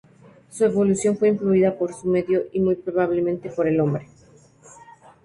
Su evolución fue influida por su medio y muy probablemente por el hombre.